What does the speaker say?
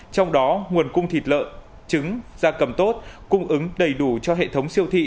trong đó nguồn cung thịt lợn trứng gia cầm tốt cung ứng đầy đủ cho hệ thống siêu thị